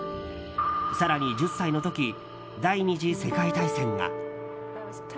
更に１０歳の時第２次世界大戦が。